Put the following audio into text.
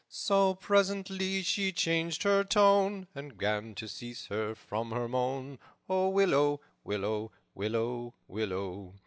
So, presently, she changed her tone, And 'gan to cease her from her moan, 'O willow, willow, willow, willow!